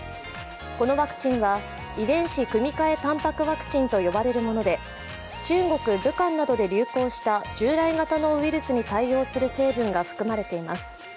このワクチンは、遺伝子組み換えたんぱくワクチンと呼ばれるもので、中国・武漢などで流行した従来型のウイルスに対応する成分が含まれています。